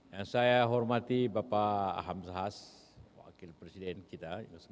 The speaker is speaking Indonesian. yang saya hormati bapak ahamzahas wakil presiden kita yang ke sembilan